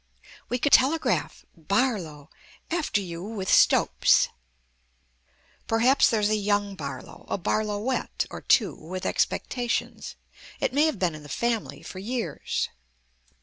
"We could telegraph. 'Barlow. After you with Stopes.'" "Perhaps there's a young Barlow, a Barlowette or two with expectations. It may have been in the family for years."